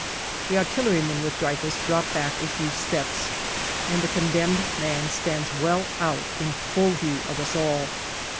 " The artillerymen with Dreyfus drop back a few steps, and the condemned man stands well out in full view of us all.